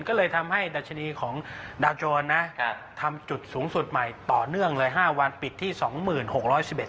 ก็เลยทำให้ดัชนีของดาวโจรนะทำจุดสูงสุดใหม่ต่อเนื่องเลย๕วันปิดที่๒๖๑๑